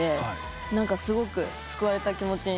すごく救われた気持ちに。